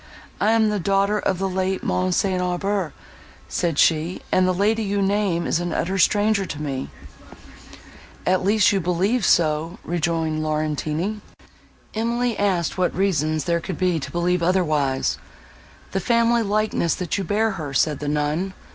"I am the daughter of the late Mons. St. Aubert," said she; "and the lady you name is an utter stranger to me." "At least you believe so," rejoined Laurentini. Emily asked what reasons there could be to believe otherwise. "The family likeness, that you bear her," said the nun.